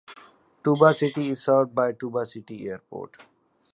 Tuba City is served by the Tuba City Airport.